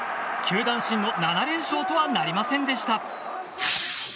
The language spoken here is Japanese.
球団新の７連勝とはなりませんでした。